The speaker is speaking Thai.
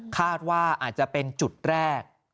คาดว่าอาจจะเป็นจุดแรก